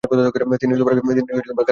তিনি কারাগারেই আছেন।